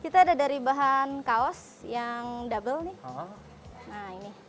kita ada dari bahan kaos yang double nih